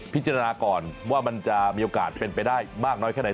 พิจารณาก่อนว่ามันจะมีโอกาสเป็นไปได้มากน้อยแค่ไหน